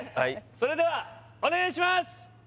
それではお願いします